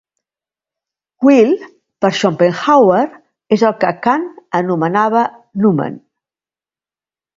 Will, per Schopenhauer, és el que Kant anomenava noümen.